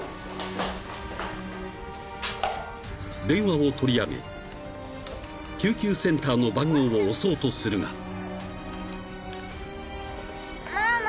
［電話を取り上げ救急センターの番号を押そうとするが］